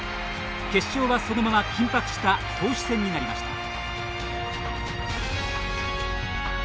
決勝は、そのまま緊迫した投手戦になりました。